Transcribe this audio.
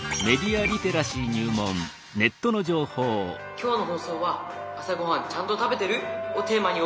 「今日の放送は『朝ごはんちゃんと食べてる？』をテーマにお送りしました。